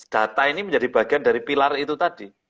data ini menjadi bagian dari pilar itu tadi